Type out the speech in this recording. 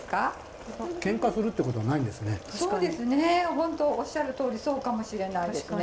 本当おっしゃるとおりそうかもしれないですね。